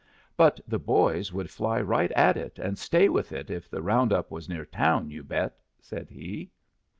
"But the boys would fly right at it and stay with it if the round up was near town, you bet," said he.